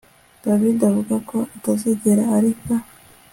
David avuga ko atazigera areka